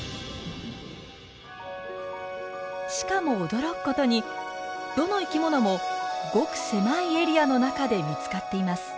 しかも驚くことにどの生きものもごく狭いエリアの中で見つかっています。